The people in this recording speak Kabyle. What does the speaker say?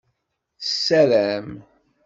Tessaram.